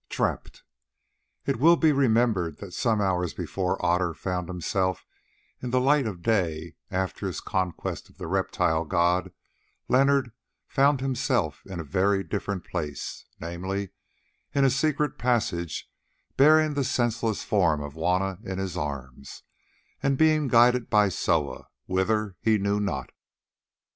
TRAPPED It will be remembered that some hours before Otter found himself in the light of day, after his conquest of the reptile god, Leonard found himself in a very different place, namely, in a secret passage bearing the senseless form of Juanna in his arms, and being guided by Soa, whither he knew not.